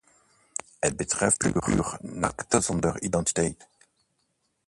Het betreft pure namaak zonder identiteit.